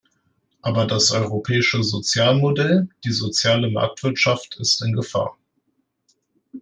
Aber das europäische Sozialmodell, die soziale Marktwirtschaft ist in Gefahr.